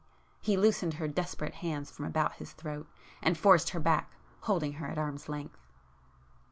—he loosened her desperate hands from about his throat, and forced her back, holding her at arm's length.